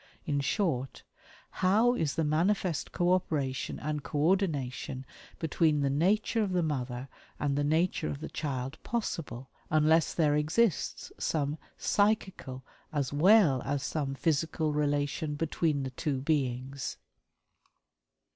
In short, how is the manifest co operation and co ordination between the "nature" of the mother and the "nature" of the child possible, unless there exists some psychical, as well as some physical, relation between the two beings.